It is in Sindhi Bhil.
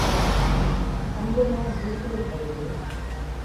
آݩب مآݩ جُوس با ٺهي دو۔